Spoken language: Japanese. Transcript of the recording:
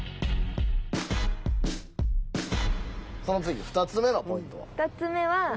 その次２つ目のポイントは？